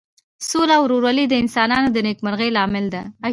سوله او ورورولي د انسانانو د نیکمرغۍ لامل ده.